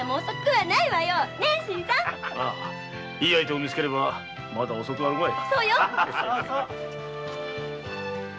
いい相手を見つければまだ遅くあるまい。